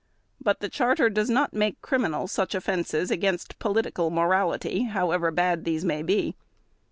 But the Charter does not make criminal such offenses against political morality, however bad these may be.